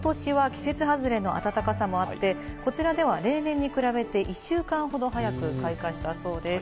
今年は季節外れの暖かさもあって、こちらでは例年に比べて１週間ほど早く開花したそうです。